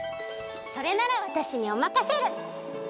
それならわたしにおまかシェル！